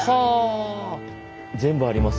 全部あります